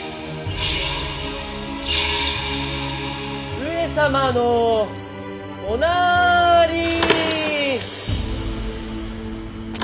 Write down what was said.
上様のおなーりー！